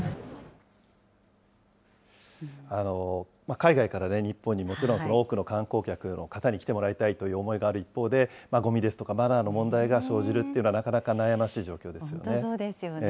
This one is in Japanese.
海外から日本にもちろん、多くの観光客の方に来てもらいたいという思いがある一方で、ごみですとか、マナーの問題が生じるというのは、なかなか悩ましい状本当、そうですよね。